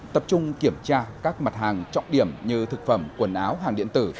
tập trung kiểm tra các mặt hàng trọng điểm như thực phẩm quần áo hàng điện tử